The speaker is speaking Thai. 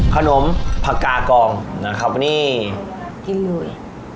ขนมพกกองน่าครับนี่กินเลย